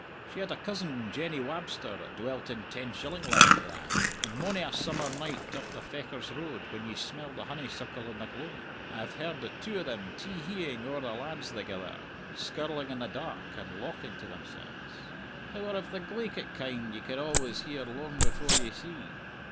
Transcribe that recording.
She had a cousin, Jenny Wabster, that dwelt in Tenshillingland than, and mony a summer nicht up the Fechars Road, when ye smelled the honeysuckle in the gloaming, I have heard the two o' them tee heeing owre the lads thegither, skirling in the dark and lauching to themselves. They were of the glaikit kind ye can always hear loang before ye see.